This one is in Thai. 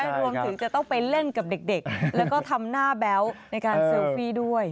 รวมถึงจะต้องไปเล่นกับเด็กแล้วก็ทำหน้าแบ๊วในการเซลฟี่ด้วย